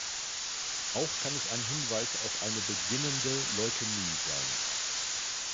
Auch kann es ein Hinweis auf eine beginnende Leukämie sein.